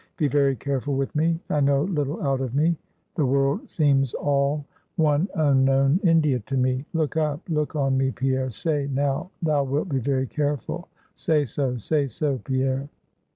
Be very careful with me. I know little out of me. The world seems all one unknown India to me. Look up, look on me, Pierre; say now, thou wilt be very careful; say so, say so, Pierre!"